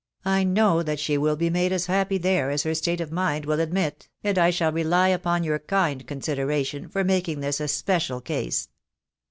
I know that she will be made as happy there as her state of mind will admit, and I shall rely upon your kind consideration for making this a special case."